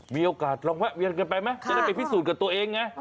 มีโอกาสลองแวะเวียนกันไปไหมจะได้ไปพิสูจน์กับตัวเองไง